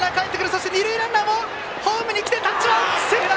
そして二塁ランナーもホームに来て、タッチはセーフ！